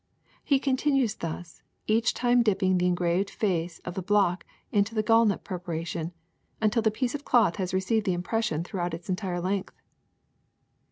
He continues thus, each time dipping the engraved face of the block into the gallnut preparation, until the piece of cloth has received the impression throughout its entire length.